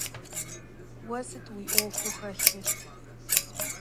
Уэ сыт уи ӏуэхуу хэлъыр?